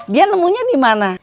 dia nemunya dimana